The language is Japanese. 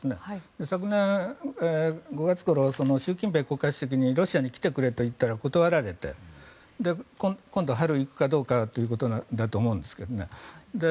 昨年、５月ごろ習近平国家主席にロシアに来てくれと言ったら断られて今度、春に行くかどうかということだと思いますがね。